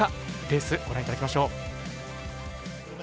レース、ご覧いただきましょう。